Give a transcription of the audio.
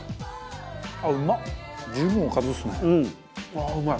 ああうまい。